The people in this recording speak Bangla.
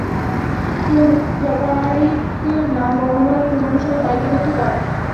তোর ফেবারিটদের নাম বর্ণমালার ক্রমানুসারে তালিকাবদ্ধ কর।